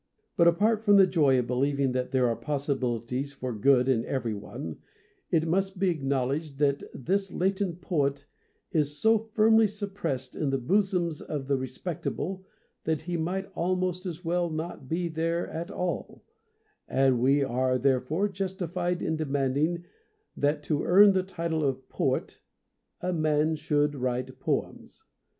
But apart from the joy of believing that HOW TO BE A POET 79 there are possibilities for good in every one, it must be acknowledged that this latent poet is so firmly suppressed in the bosoms of the respectable that he might almost as well not be there at all, and we are therefore justified in demanding that to earn the title of poet a man should write poems.